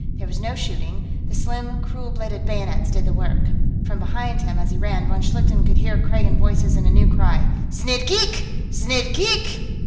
There was no shooting; the slim, cruel bladed bayonets did the work. From behind him, as he ran, von Schlichten could hear Kragan voices in a new cry: "_Znidd geek! Znidd geek!